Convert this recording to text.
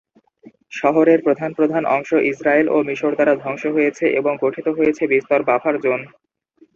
শহরের প্রধান প্রধান অংশ ইসরায়েল ও মিশর দ্বারা ধ্বংস হয়েছে এবং গঠিত হয়েছে বিস্তর বাফার জোন।